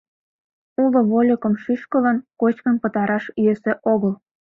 Уло вольыкым шӱшкылын, кочкын пытараш йӧсӧ огыл.